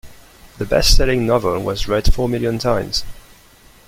The bestselling novel was read four million times.